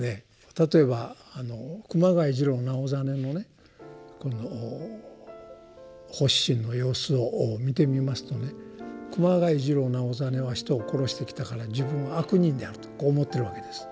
例えば熊谷次郎直実のねこの発心の様子を見てみますとね熊谷次郎直実は人を殺してきたから自分は「悪人」であるとこう思ってるわけです。